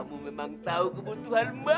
kamu memang tahu kebutuhan mbah